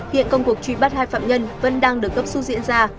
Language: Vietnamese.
hiện công cuộc truy bắt hai phạm nhân vẫn đang được gấp xu diễn ra